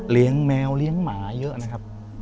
แมวเลี้ยงหมาเยอะนะครับ